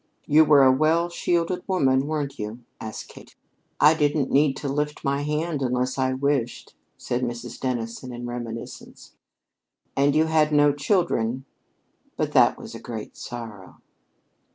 "You were a well shielded woman, weren't you?" asked Kate. "I didn't need to lift my hand unless I wished," said Mrs. Dennison in reminiscence. "And you had no children " "But that was a great sorrow."